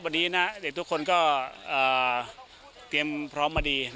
วันนี้นะเด็กทุกคนก็เตรียมพร้อมมาดี